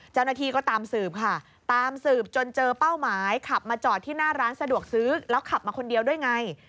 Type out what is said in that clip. เจ้าหน้าที่ก็ตามสืบค่ะตามสืบจนเจอเป้าหมายขับมาจอดที่หน้าร้านสะดวกซื้อแล้วขับมาคนเดียวด้วยไง